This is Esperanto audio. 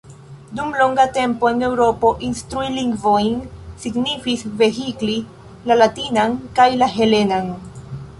Dum longa tempo en Eŭropo instrui lingvojn signifis vehikli la latinan kaj la helenan.